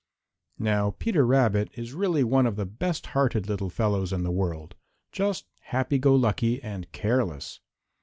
] Now Peter Rabbit is really one of the best hearted little fellows in the world, just happy go lucky and careless.